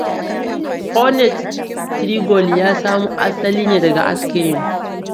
Cornette-trilogy ya samo asali ne daga askirim.